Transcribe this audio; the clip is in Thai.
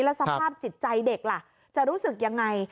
แล้วสภาพจิตใจเด็กล่ะจะรู้สึกยังไง